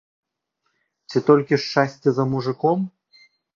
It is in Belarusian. Ці толькі шчасце за мужыком?